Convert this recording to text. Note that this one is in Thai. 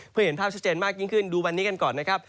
เพื่อเห็นภาพชัดเจนมากยิ่งขึ้นดูวันนี้กันก่อนนะครับ